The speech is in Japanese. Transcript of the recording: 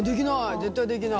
絶対できない。